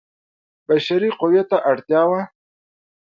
بشري قوې ته اړتیا وه.